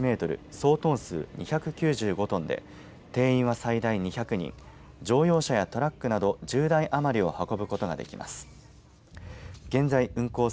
総トン数２９５トンで定員は最大２００人乗用車やトラックなど１０台余りを運ぶことができます。